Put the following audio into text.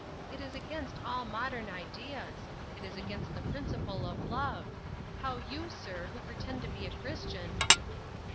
"It is against all modern ideas. It is against the principle of love. How you, sir, who pretend to be a Christian..."